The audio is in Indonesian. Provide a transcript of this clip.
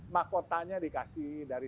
makotanya dikasih dari